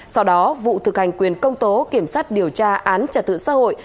sau đó vụ thực hành quyền công tố kiểm sát điều tra án trật tự xã hội